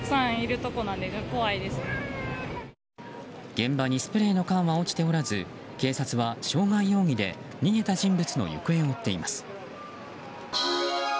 現場にスプレーの缶は落ちておらず警察は傷害容疑で逃げた人物の行方を追っています。